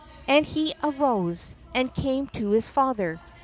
' And he arose, and came to his father.